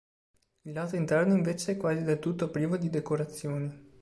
Il lato interno invece è quasi del tutto privo di decorazioni.